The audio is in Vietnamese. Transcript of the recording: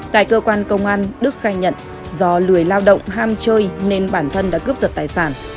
tại cơ quan công an đức khai nhận do lười lao động ham chơi nên bản thân đã cướp giật tài sản